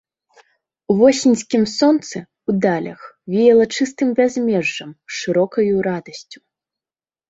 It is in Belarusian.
У восеньскім сонцы, у далях веяла чыстым бязмежжам, шырокаю радасцю.